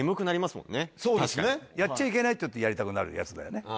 やっちゃいけないっていうとやりたくなるやつだよね。